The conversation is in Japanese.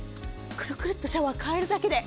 くるくるっとシャワーを替えるだけで。